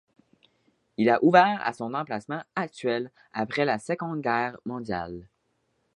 Il a ouvert à son emplacement actuel après la Seconde Guerre mondiale.